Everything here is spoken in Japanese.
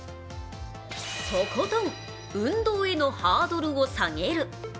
とことん運動へのハードルを下げる。